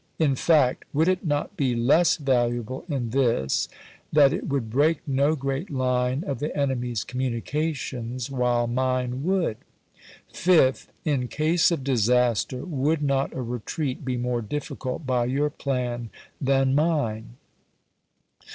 In fact, would it not be less valuable in this, ^^e^ais^o' that it would break no great line of the enemy's com ^Xm^^' munications, while mine would ? J^; % vol V,, Fifth. In case of disaster, would not a retreat be more p. 713. difficult by your plan than mine